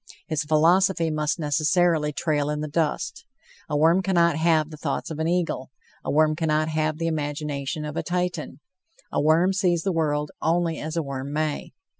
His philosophy must necessarily trail in the dust. A worm cannot have the thoughts of an eagle; a worm cannot have the imagination of a Titan; a worm sees the world only as a worm may.